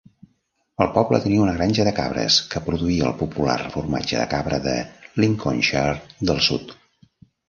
El poble tenia una granja de cabres que produïa el popular formatge de cabra de Lincolnshire del sud.